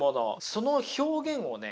その表現をね